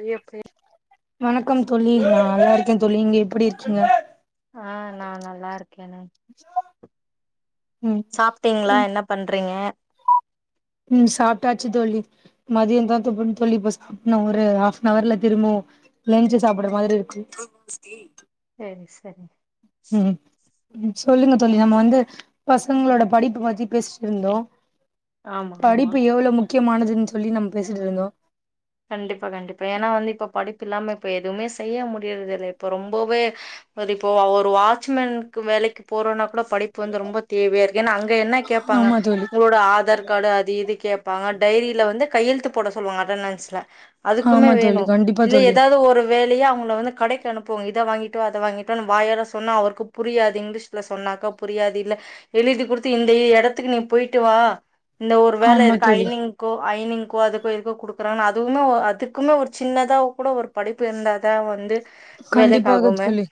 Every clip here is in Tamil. நீ எப்டி வணக்கம் தோழி நா நல்லாருக்கேன் தோழி நீங்க எப்டி இருக்கீங்க ஆ நா நல்லாருக் க்கேன ம் சாப்டீங்களா என்ன பண்றீங்க உம் சாப்டாச்சு தோழி மதியோந்தா துபன் தோழி இப்ப சாப்டுனா ஒரு ஹாஃப்ப நவர்ல திரும்பவு லென்ச் சாப்ற மாதிரி இருக்குங் ம் சரிங் ம் ம் ம் சொல்லுங்க தோழி நம்ம வந்து பசங்களோட படிப்பு பத்தி பேசிட்டு இருந்தோ ஆமா ஆமா படிப்பு எவ்ளோ முக் முக்கியமானதுன்னு சொல்லி நம்ம பேசிட்டு இருந்தோ கண்டிப்பா கண்டிப்பா ஏன்னா வந்து இப்ப படிப்பு இல்லாம இப்ப எதுவுமே செய்ய முடியறது இல்லை இப்ப ரொம்பவே அது இப்போ ஒரு வாட்ச்மேனுக்கு வேலைக்கு போறோனா கூட படிப்பு வந்து ரொம்ப தேவையா இருக்கு ஏன்னா அங்க என்ன கேப்பாங்க ஆமா தோழி உங்களோட ஆதார் கார்டு அது இது கேப்பாங்க டைரியில வந்து கையெழுத்து போட சொ சொல்லுவாங்க அத நெனச் அதுக்குமே ஆமா வேணு தோழி கண்டிப்பா இல்ல தோழி எதாவது ஒரு வேலயே அவுங்கள வந்து கடைக்கு அனுப்புவோம் இத வாங்கிட்டு வா அத வாங்கிட்டுவான்னு வாயால சொன்னா அவருக்கு புரியாது இங்கிலீஷ்ல சொன்னாக்கா புரியாது இல்ல எழுதி குடுத்து இந்த எ எடத்துக்கு நீ போயிட்டு வா இந்த ஒரு வேல ஆமா இருக்கு தோழி ஐனிங்க்கோ ஐனிங் கோ அதுக்கு இதுக்கு குடுக்குறாங் அதுக் அதுமே அதுக்குமே ஒரு சின்னதாக் கூட ஒரு படிப்பு இருந்தாதா வந்து கண்டிப்பாக வேலைக்காகுமே தோழி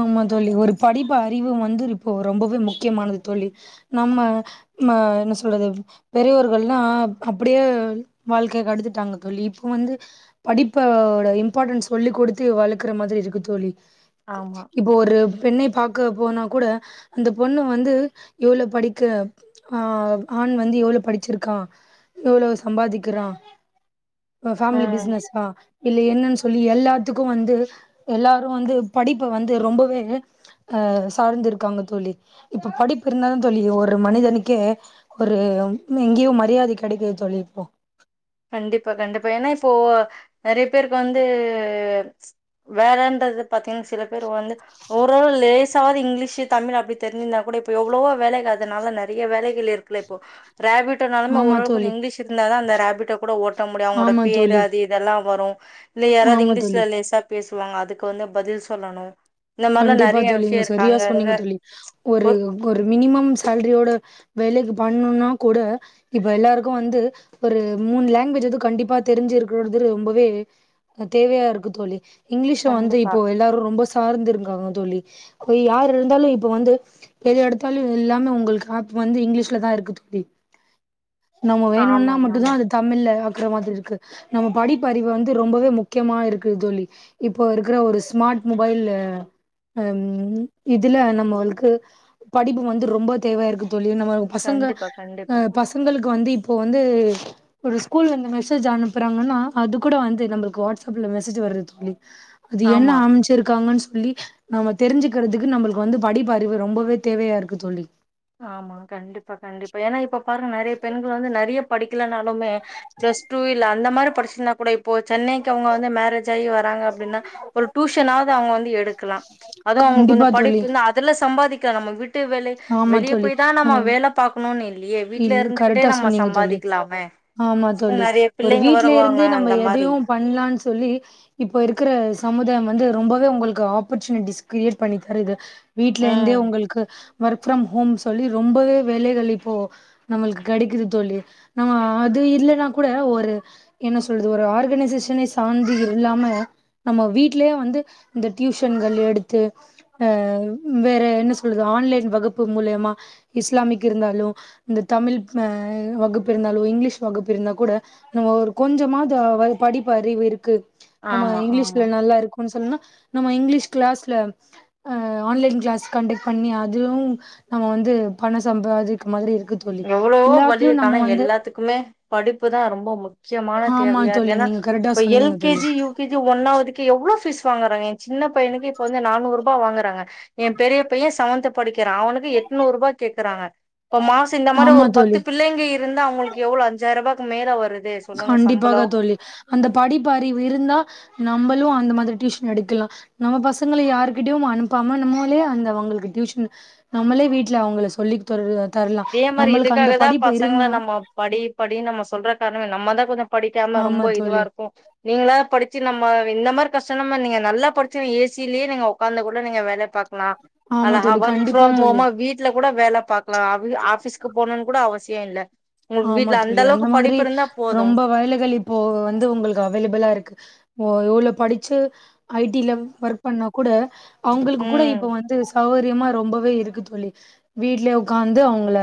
ஆமா தோழி ஒரு படிப்பா அறிவு வந்து இப்போ ரொம்பவே முக்கியமானது தோழி நம்ம ம்ம என்ன சொல்றது பெரியோர்கள்லா அப்புடியே வாழ்க்கைய கடத்திட்டாங்க தோழி இப்ப வந்து படிப்ப ஓட இம்பார்ட்டன்ஸ் சொல்லிக் குடுத்து வளத் க்குற மாதிரி இருக்கு தோழி ஆமா இப்போ ஒரு பெண்ணை பாக் க்கு போனாக் கூட அந்த பொண்ணு வந்து எவ்ளோ படிக்க ஆ ஆண் வந்து எவ்ளோ படிச்சிருக்கான் எவ்ளோ சம்பாதிக்கிறான் ஃபேமிலி ம் ஃபிசினஸ்தா இல்ல என்னன் சொல் சொல்லி எல்லாத்துக்கு வந்து எல்லாரு வந்து படிப்ப வந்து ரொம்பவே அ சார்ந்து இருக்காங்க தோழி இப்ப படிப்பு இருந்தாதா தோழி ஒரு மனிதனுக்கே ஒரு எங்கயு மரியாதை கெடைக்குது தோழி இப்போ கண்டிப்பா கண்டிப்பா ஏன்னா இப்போ நெறய பேருக்கு வந்து வேலன்றது பாத்தீங்கன்னா சில பேர் வந்து ஓரளவு லேசாவது இங்கிலீஷு தமிழு அப்டி தெரிஞ்சிருந்தாக் கூட இப்போ எவ்வளவோ வேலைகள் அதனாலதா நெறைய வேலைகள் இருக்குல்ல இப்போ ஃராபிட்டோன்னாலுமே ஆமா ஒரளவுக் கொஞ்சோ தோழி இங்கிலீஷ் இருந்தாதா அந்த ஃராபிட்டோ கூட ஓட்ட முடியு அவுங்களோட ஆமா பேரு தோழி அது இதெல்லா வரு இல்ல யாராவது ஆமா தோழி இங்கிலீஷ்ல லேசா பேஸ் வாங்க அதுக்கு வந்து பதில் சொல்லணு கண்டிப்பா தோழி நீங்க சரியா சொன்னீங்க தோழி ஒ ஒரு ஒரு மினிமம் ஃசேல்ரியோட வேலைக்கி பண்னொன்னாக் கூட இப்ப எல்லாருக்கு வந்து ஒரு மூணு லாங்குவேஜ் எதும் கண்டிப்பா தெரிஞ்சுருக்கறது ரொம்பவே தேவையா இருக்கு தோழி இங்கிலீஷ்சு வந்து கண்டிப்பா. இப்போ எல்லாரோ ரொம்ப தார்ந்திரு காங்க தோழி கோய் யார் இருந்தாலோ இப்ப வந்து எது எடுத்தாலு எல்லாமே உங்குளுக்கு ஆப் வந்து இங்கிலீஷ்லதா இருக்கு தோழி நம்ம வேணுன்னா ஆமாங்க, மட்டுந்தா ஆமா. அது தமிழ்ல க்கர மாதி இருக்கு நம்ம படிப்பறிவு வந்து ரொம்பவே முக்கியமா இருக்கு தோழி இப்போ இருக்குற ஒரு ஸ்மார்ட் மொபைல் ஆம் இதுல நம்மவாள்க்கு படிப்பு வந்து ரொம்ப தேவையா இரு தோழி நம்ம வ பசங்க கண்டிப்பா, அ கண்டிப்பா. பசங்களுக் கொன்ந்து இப்போ வந்து ஒரு ஸ்கூல்ல இருந்து மெசேஜ் அனுப்புறாங்கன்னா அது கூட வந்து நம்ளுக்கு வாட்ஸ் அப்ல மெசேஜ் வருது தோழி அது என்ன ஆமா. அமிச்சிருக்காங்கன்னு சொ லீ நம்ம தெரிஞ்சுக்கறதுக்கு நம்பளுக்கு வந்து படிப்பறிவு ரொம்பவே தேவையா இருக்கு தோழி ஆமா கண்டிப்பா கண்டிப்பா ஏன்னா இப்ப பாருங்க நெறைய பெண்கள் வந்து நெறைய படிக்கலனாலுமே பிளஸ் டூ இல்ல அந்த மாரி படிச்சிருந்தா கூட இப்போ சென்னைக் அவுங்க வந்து மேரேஜ் தை வராங்க அப்டினா ஒரு டியூஷனாவது அவுங்க வந்து எடுக்கலா அதுவு அவுங்குளுக்கு கொஞ்சோ கண்டிப்பா தோழி படிப்பிந்தா அதுல சம்பாதி நம்ம விட் டு வெலக் போய்தா நம்ம வேல பாக்கணு நொ னில் இல் கரெக்டா சொன்னீங்க தோழி ஆமா தோழி நெறைய ஒரு பிள்ளைங்க வீட்ல வருவாங்க இருந்து நம்ம அந்த மாரி. எதையும் பண்ணலான்னு சொல்லி இப்ப இருக்கிற சமுதாயம் வந்து ரொம்பவே உங்குளுக்கு ஆப்பர்ச்சுனிட்டிஸ் கிரியேட் பண்ணித்தருது வீட்ல இந்தே ம். உங்குளுக்கு ஒர்க் ஃபிரோம் ஹோம் சொல்லி ரொம்பவே வேலைகள் இப்போ நம்ளுக்கு கெடைக்குது தோழி நம்ம அது இல்லன்னா கூட ஒரு என்ன சொல்றது ஒரு ஆர்கனைசேஷனை சார்ந்து இல்லாம நம்ம வீட்லயே வந்து இந்த டியூஷன்கள் எடுத்து அ வேற என்ன சொல்றது ஆன்லைன் வகுப்பு மூலியமா இஸ்லாமிக்கு இருந்தாலு இந்த தமிழ் அ வகுப்பு இருந்தாலோ இங்கிலீஷ் வகுப்பு இருந்தா கூட நம்ம ஒரு கொஞ்சமாது வா படிப்பு அறிவு இருக்கு ஆமா இங்கிலீஷ்ல நல்லா இருக்கோ ஒன் சொல்னா நம்ம இங்கிலீஷ் கிளாஸ்ல அ ஆன்லைன் கிளாஸ் கண்டக்ட் பண்ணி அதுவு நம்ம வந்து பண சம்பாதிக் மாரி இரு எவ்ளவோ வழி இருக்கு ஆனா எல்லாத்துக்குமே படிப்புதா ரொம்ப முக்கியமான ஆமா தேவையா இருக்கு தோழி ஏன்னா நீங்க கரெக்டா இப்ப எல் சொன்னீங்க கே தோழி ஜி யு கே ஜி ஒன்னாவதுக்கே எவ்ளோ ஃபீஸ் வாங்கறவே சின்ன பையனுக்கே இப்ப வந்து நானூறு ரூபா வாங்குறாங்க எ பெரிய பையன் செவன்த் படி கி அவனுக்கு எட்நூறு ரூபா கேக்குறாங்க இப்ப மா து இந்தமாரி ஆமா ஒரு பத்து தோழி பிள்ளைங்க இருந்தா அவுங்குளுக்கு எவ்ளோ அஞ்சாயி ரூபா க்கு மேல வருது சொல்லுங்க கண்டிப்பாக சம்பளோ தோழி அந்த படிப்பறிவு இருந்தா நம் நம்மளும் அந்த மாதிரி டியூசன் எடுக்கலா நம்ம பசங்களை யாருகிட்டயு அனுப்பாம நம்மூளே அந்த அவங்களுக்கு டியூஷன் நம்மளே வீட்டுல அவங்கள சொல்லித்தெரல இதேமாரி இதுக்காக தா பசங்களை நம்ம படி படி நம்ம சொல்ற காரணமே நம்மதா கொஞ்ச படிக்காம ஆமா ரொம்ப இதுவா தோழி இருக்கு நீங்களாது படிச்சு நம்ம இந்த மாரி கஷ்ட இல்லாம நீங்க நல்லா படிச்சுங்க ஏசியிலேயே நீங்க உக்காந்து கூட நீங்க வேலை பாக்கலா ஆமா அழகா தோழி ஒர்க் கண்டிப்பா ஃப்ரம் தோழி ஹோமா வீட்ல கூட வேல பாக்கலா ஆஃபிஸ்க்கு போனும்னு கூட அவசிய இல்ல உங்களுக்கு ஆமா வீட்ல தோழி அந்த அளவுக்கு மாதிரி படிப்பு இருந்தா போது ரொம்ப வயலுகள் இப்போ வந்து உங்களுக்கு அவைலபிளா இருக்கு ஓ எவ்வளவு படிச்சு ஐ டி ல ஒர்க் பண்ணா கூட அவங்களுக்கு கூட ம் இப்ப வந்து ச வுரியமா ரொம்பவே இருக்கு தோழி வீட்டுலயே உட்காந்து அவங்கள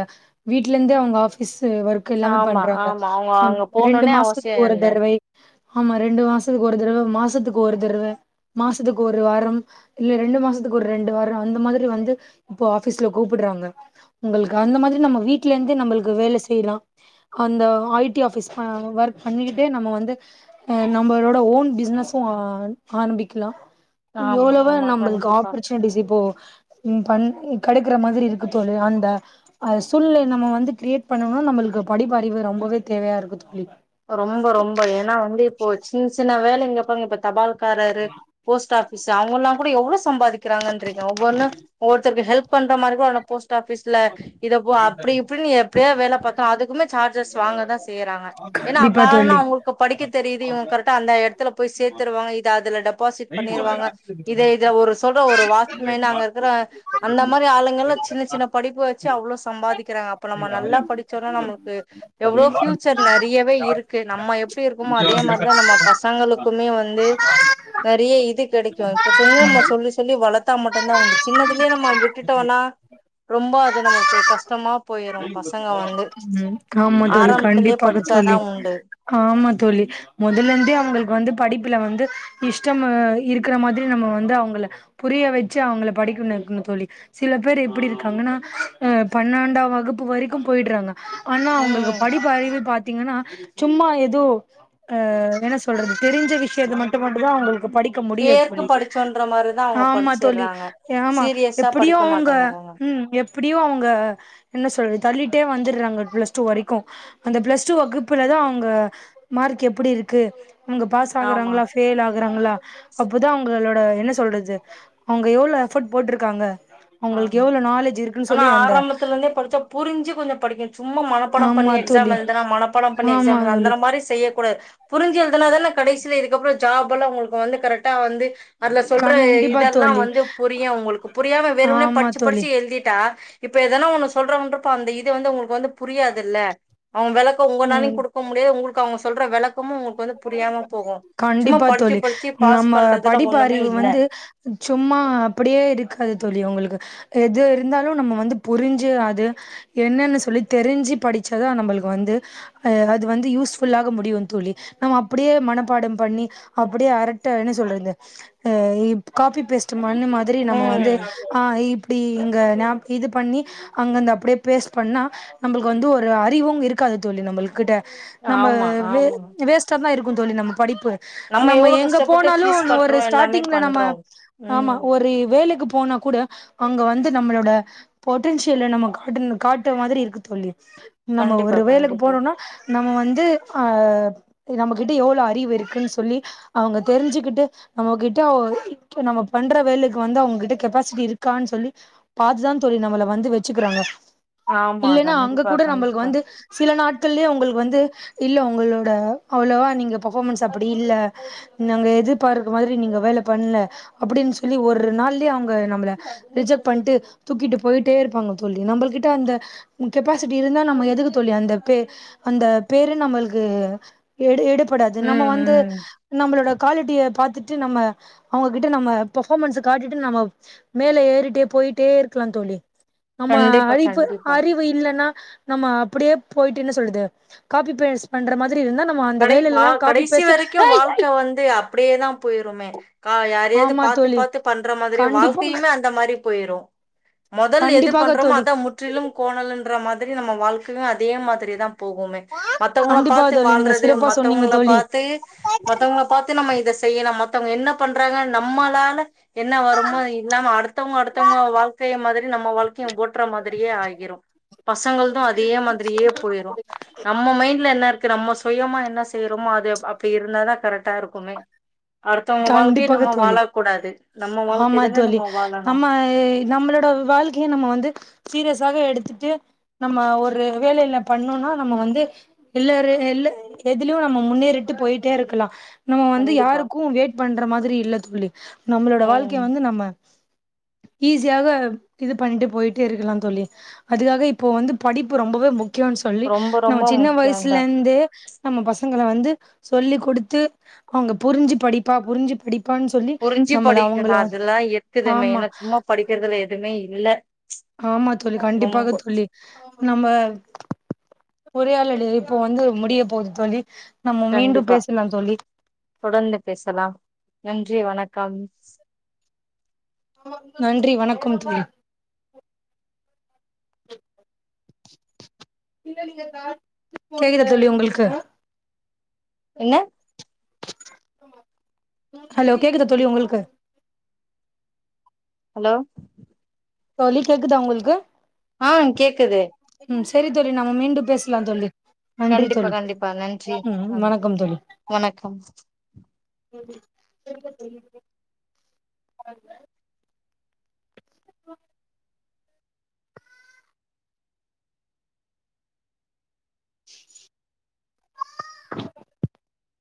வீட்ல இருந்தே அவுங்க ஆபிஸ் ஒர்க் எல்லாமே ஆமா பண்றாங்க ஆமா அவங்க அங்க ரெண்டு போணுன்னே அவசியோ மாசத்துக்கு ஒரு இல்ல தடவை ஆமா ரெண்டு மாசத்துக்கு ஒரு தடவை மாசத்துக்கு ஒரு தடவை மாசத்துக்கு ஒரு வாரம் இல்ல ரெண்டு மாசத்துக்கு ஒரு ரெண்டு வார அந்த மாதிரி வந்து இப்போ ஆபிஸ்ல கூப்பிடுறாங்க உங்களுக்கு அந்த மாதிரி நம்ம வீடல இருந்தே நம்மளுக்கு வேலை செய் யலாம் அந்த ஐ டி ஆஃபிஸ் ஒர்க் பண்ணிக்கிட்டே நம்ம வந்து நம்மளோட ஓன் பிசினஸு ஆரம்பிக்கலா ஆமா எவ்வளவு ஆமா நம்மளுக்கு கண்டிப்பா ஆப்பர்ச்சுனிட்டிஸ் இப்போ உம் பண் கெடைக்கிற மாதிரி இருக்கு தோழி அந்த அ சூழ்நிலைய நம்ம வந்து கிரியேட் பண்ணனுனா நம்மளுக்கு படிப்பறிவு ரொம்பவே தேவையா இருக்கு தோழி ரொம்ப ரொம்ப ஏன்னா வந்து இப்போ சின்ன சின்ன வேலை இங்க பாருங்க இப்ப தபால் காரரு போஸ்ட் ஆ ஃபிஸ் அவங்க எல்லாங் கூட எவ்ளோ சம்பாதிக்கிறாங்க ட்ருக்க ஒவ்வொன்னு ஒர் த்தருக்கு ஹெல்ப் பண்ற மாரி கோட அந்த போஸ்ட் ஆஃபிஸ்ல இதைப்ப அப்படி இப்படி எப்படியா வேலை பார்த்தோ அதுக்குமே சார்ஜஸ் வாங்க தா செய்யறாங்க கண்டிப்பா காரண தோழி அவங்களுக்கு படிக்கிறதுக்கு இதெது இவுங்க கரெக்டா அந்தா எடத்துல போய் சேத்துருவாங்க இது அதுல டெபாசிட் பண்ணிருவாங்க இதே இத ஒரு சொல்ற ஒரு வாட்ச்மேன் அங்க இருக்கிற அந்த மாதிரி ஆளுங்கல சின்ன சின்ன படிப்பு வச்சு அவ்வளோ சம்பாதிக்கிறாங்க அப்ப நம்ம நல்லா படிச்சோனா நம்மளுக்கு எவ்ளோ பியூச்சர் னு நிறையவே இருக்கு நம்ம எப் ப்டி இருக்கமோ அதே மாரிதா நம்ம பசங்களுக் க்குமே வந்து நெறைய இது கெடைக்கு இப்பத்துலேந்து நம்ம சொல்லி சொல்லி வளத்தா மட்டுந்தா உண்டு சின்னதுலயே நம்ம விட்டுட்டோன்னா ரொம்ப அது நம்மளுக்கு கஷ்டமா போயிரும் பசங்க வந்து ஆமா தோழி ஆரம்பத்துலயே கண்டிப்பாக படிச்சாதா தோழி உண்டு ஆமா தோழி மொதல்லேந்தே அவுங்களுக்கு வந்து படிப்புல வந்து இஷ்டம் இருக்குற மாதிரி நம்ம வந்து அவுங்கள புரிய வச்சு அவுங்கள படிக்கணு வெக்குனு தோழி சில பேர் எப்டி இருக்காங்கன்னா அ பன்னாண்டாம் வகுப்பு வரைக்கும் போயிட்றாங்க ஆனா அவுங்களுக்கு ம் படிப்பு அறிவு பாத்தீங்கன்னா சும்மா ஏதோ அ என்ன சொல்றது தெரிஞ்ச விஷயத்த மட்டு மட்டுதா அவுங்களுக் படிக்க முடியு பேருக்கு தோழி படிச்சோன்ற மாரிதா அவங்க ஆமா தோழி படிச்சிர்றாங்க ஆமா சீரியஸா எப்டியோ படிக்க அவுங்க மாட்டேங்கறாங்க ம் எப்டியோ அவுங்க என்ன சொல்ற தள்ளிட்டே வந்துர்றாங்க ப்ளஸ் டூ வரைக்கு அந்த ப்ளஸ் டூ வகுப்புல தா அவுங்க மார்க் எப்டி இருக்கு அங்க பாஸ் ஆமா ஆகுறாங்களா ஃபேயில் ஆகுறாங்களா அப்பதா அவங்களோட என்ன சொல்றது அவுங்க எவ்ளோ எஃபர்ட் போட்ருக்காங்க அவங்களுக்கு ஆமா எவ்ளோ நாலேஜ் இருக்குன்னு ஆனா சொல்லி அந்த ஆரம்பத்துலேருந்தே படிச்சா புரிஞ்சிக்கு கொஞ்சோ படிக்கணு சும் சும்மா மனப்பாடம் ஆமா பண்ணி எக்ஸாம் தோழி எழுதுனா மனப்பாடம் பண்ணி எக்ஸாம் ஆமா எழுதுனா அந்த தோழி மாரி செய்யக்கூடாது புரிஞ்சி எழுதுனா தான கடைசீல இதுக்கப்பறோ ஜாப் எல்லா அவுங்களுக்கு வந்து கரெக்டா வந்து அதுல சொல்ற கண்டிப்பா இதெல்லா தோழி வந்து புரியும் உங்களுக்கு புரியாம எ வேணும்னே ஆமா படிச்சி தோழி படிச்சி எழுதிட்டா இப்ப எதனா ஒண்ணு சொல்றோன்றப்போ அந்த இது வந்து அவுங்களுக்கு வந்து புரியாதுல்ல அவுங்க வெளக்க உங்கனாலையு ம் குடுக்க முடியாது உங்களுக்கு அவுங்க சொல்ற வெளக்கமு கண்டிப்பா தோழி படிச்சு பாஸ் நம்ம பண்றதுல படிப்பு ஒண்ணுமே அறிவு இல்ல வந்து சும்மா அப்டியே இருக்காது தோழி உங்களுக் எது இருந்தாலு நம்ம வந்து புரிஞ்சி அது என்னன்னு சொல்லி தெரிஞ்சி படிச்சாதா நம்மளுக்கு வந்து அ அது வந்து யூஸ் ஃபுல்லாக முடியு தோழி நம்ம அப்டியே மனப்பாடம் பண்ணி அப்டியே அரட்டை என்ன சொல்றது காபி பேஸ்ட் மண்ணு மாதிரி நம்ம ம் வந்து ஆ இப் அப்டி இங்க ஞாப் இது பண்ணி அங்க அந்த அப்டியே பேஸ்ட் பண்ணா நம்ப்ளுக்கு வந்து ஒரு அறிவு இருக்காது தோழி நம்மள்க்கிட்ட நம்ம ஆமா வே ஆமா ஸ்டாதா இருக்கு தோழி நம்ம படிப்பு நம்ம எவ்ளோ எங்க கஷ்டப்பட்டு போனாலு ஃபீஸ் ஒரு கட்றோ எல்லாமே ஸ்டார்டிங்ல நம்ம பண்றோ ஆமா ம் ஒரு வேலக்கு போனாக் கூட அங்க வந்து நம்மளோட பொட்டன்சியல நம்ம காட்டணு காட்ட மாதிரி இருக்கு தோழி நம்ம கண்டிப்பா ஒரு வேலக்கு கண்டிப்பா போனோனா நம்ம வந்து ஆ நம்மக்கிட்ட எவ்ளோ அறிவு இருக்குன் சொல்லி அவுங்க தெரிஞ்சுகிட்டு நம்மக்கிட்ட நம்ம பண்ற வேலக்கு வந்து அவுங்கக்கிட்ட கெப்பாசிட்டி இருக்கான் சொல்லி பாத்துதா தோழி நம்மள வந்து வச்சிக்குறாங்க ஆமா இல்லன்னா அங்க கண்டிப்பா கூட நம்பளுக்கு கண்டிப்பா வந்து சில நாட்கள்லயே அவுங்களுக் கு வந்து இல்ல உங்களோட அவ்ளோவா நீங்க பஃபாமன்ஸ் அப்டி இல்ல, நாங்க எதிர்பார்க்க மாரி நீங்க வேல பண்ல அப்டின்னு சொல்லி ஒரு நாள்யே அவங்க நம்மள ரிஜெக்ட் பண்ட்டு தூக்கிட்டு போயிட்டே இருப்பாங்க தோழி நம்பள்கிட்ட க அந்த கெப்பாசிட்டி இருந்தா நம்ம எதுக்கு தோழி அந்த பே அந்த பேரு நம்மள்க்கு எடு எடு ப்படாது நம்ம ம் வந்து ம் நம்மளோட குவாலிட்டிய பாத்துட்டு நம்ம அவங்ககிட்ட நம்ம பஃபாமன்ஸ்ஸ காட்டிட்டு நம்ம மேல ஏறிட்டே போயிட்டே இருக்கலா தோழி நம்ம கண்டிப்பா அறிப்பு கண்டிப்பா அறிவு இல்லன்னா நம்ம அப்டியே போயிட்டு என்ன சொல்றது காபி பேஸ்ட் பண்ற மாதிரி இருந்தா நம்ம அந்த கடை மா வேலைலல்லா காப்பி கடைசி பேஸ்ட் வரைக்கு ஏய் வாழ்க்க ஏய் வந்து அப்டியேதா போயிருமே கா யாரையாவது ஆமா பாத்து தோழி பாத்து பண்ற மாதிரி கண்டிப்பாக வாழ்க்கையுமே அந்த மாரி போயிரு மொதல் எது கண்டிப்பாக பண்றோமோ தோழி அத முற்றிலும் கோணலு ன்ற மாதிரி நம்ம வாழ்க்கையு அதே மாதிரி தா போகுமே மத்தவங்கள கண்டிப்பாக பாத்து தோழி வாழ் நீங்க ந்து சிறப்பா சொன்னீங்க மத்தவங்கள தோழி பாத்து மத்தவங்கள பாத்து நம்ம இத செய்ய லா மத்தவங்க என்ன பண் றாங்க நம்மளால என்ன வருமோ இல்லாம அடுத்தவங்க அடுத்தவங்க வாழ்க்கைய மாரி நம்ம வாழ்க்கையு ஓட்டுற மாதிரியே ஆகிறு பசங்கள்து அதே மாதிரியே போயிடு நம்ம மைண்ட்ல என்ன இருக்கு நம்ம சுயமா என்ன செய்றோமோ அது அப்டி இருந்தா தா கரெக்ட் டா இருக்குமே அடுத்தவங்க வாழ்க்கைய கண்டிப்பாக நம்ம தோழி, வாழ கூடாது நம்ம வாழ்க்கை ஆமா தான தோழி நம்ம வாழணு நம்ம நம்மளோட வாழ்க்கைய நம்ம வந்து சீரியஸ் ஸாக எடுத்துட்டு நம்ம ஒரு வேலையில பண்ணோனா நம்ம வந்து எல்லாரு எல்ல எதுலயு நம்ம முன்னேறிட்டு போயிட்டே இருக்லா கண்டிப்பா வேட் பண்ற மாதுரி இல்ல துள்ளி நம்முளோட ம் வாழ்க்ய வந்து நம்ம ஈஸியாக இது பண்ட்டு போயிட்டே இருக்லா தோழி அதுகாக இப்போ வந்து படிப்பு ரொம்பவே முக் க்யோன் சொல்லி ரொம்ப நா ரொம்ப சின்ன முக்கியந்தா வய்சுலந்தே நம்ம பசுங்கள வந்து சொல்லி் குடுத்து அவ்ங்க புருஞ்சி படிப்பா புர்ஞ்சு படி புருஞ்சு படிக்கனு அதுல எக்குது ஆமா மெயின சும்மா படிக்கற்துல எதுமே இ இல்ல ஆமா தோழி கண்டிப்பாக ரொம்ப தோழி நம்ப உரையாலடு இப்போ வந்து முடிய போது தோழி நம்ம மீண்டும் கண்டிப்பா பேசலா தோழி தொடர்ந்து பேசலா நன்றி வணக் கம் நன்றி வணக்கும் தோழி கேக்குத தோழி உங்கள்க்கு என்ன ஹலோ கேக்குதா தோழி உங்களுக்கு ஹலோ தோழி கேக்குதா உங்களுக்கு ஆ கேக்குது ம் செரி தோழி நம்ம மீண்டூ பேசுலா தோழி நன்றி கண்டிப்பா தோழி கண்டிப்பா நன்றி ம் ஆ வணக்கம் வணக்கம் ம் போ